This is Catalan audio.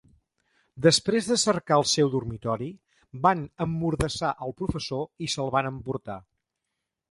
Després de cercar el seu dormitori, van emmordassar el professor i s'el van emportar.